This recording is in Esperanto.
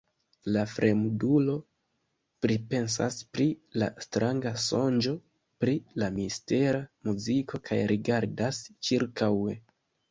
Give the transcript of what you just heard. La fremdulo pripensas pri la stranga sonĝo, pri la mistera muziko kaj rigardas ĉirkaŭe.